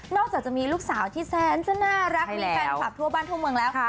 จากจะมีลูกสาวที่แสนจะน่ารักมีแฟนคลับทั่วบ้านทั่วเมืองแล้ว